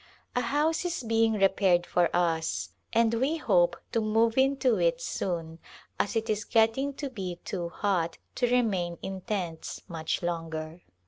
A house is being repaired for us and we hope to move into it soon as it is getting to be too hot to re main in tents much longer.